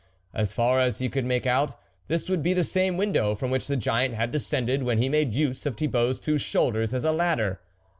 As far as he could make out, this would be the same window from which the giant had descended when he made use of Thibault's two shoulders as a ladder.